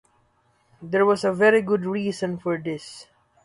There was a very good reason for this.